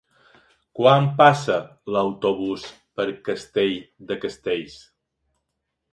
Quan passa l'autobús per Castell de Castells?